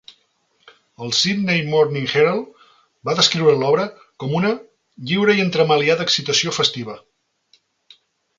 El Sydney Morning Herald va descriure l'obra com una "lliure i entremaliada excitació festiva".